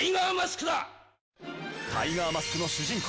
『タイガーマスク』の主人公